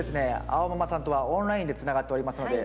あおママさんとはオンラインでつながっておりますので。